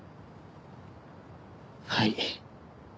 はい。